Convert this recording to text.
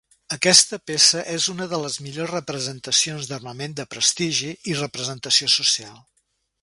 Aquesta peça és una de les millors representacions d'armament de prestigi i representació social.